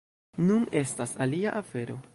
Nun estas alia afero.